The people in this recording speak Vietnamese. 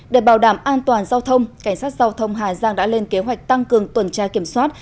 để bảo đảm an toàn giao thông cảnh sát giao thông hà giang đã lên kế hoạch tăng cường tuần tra kiểm soát